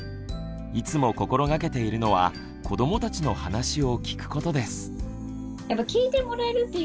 いつも心がけているのは子どもたちの話を聞くことです。